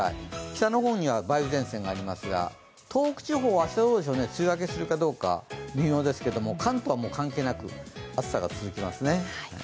北の方には梅雨前線がありますが、東北地方は明日梅雨明けするかどうか微妙ですが、関東は関係なく暑さが続きますね。